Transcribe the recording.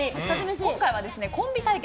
今回はコンビ対決。